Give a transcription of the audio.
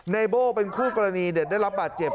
โบ้เป็นคู่กรณีเด็กได้รับบาดเจ็บ